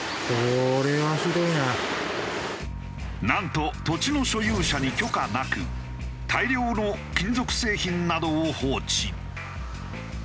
なんと土地の所有者に許可なく大量の金属製品などを放置。